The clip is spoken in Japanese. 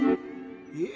え？